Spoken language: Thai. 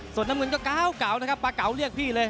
ส่วนน้ำเงินก็กาวปากาวเรียกพี่เลย